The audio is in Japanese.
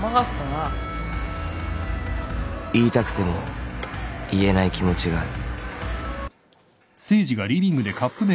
［言いたくても言えない気持ちがある］